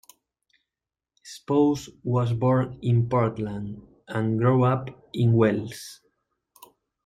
Spose was born in Portland and grew up in Wells.